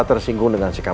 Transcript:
mau ketemu dimana ya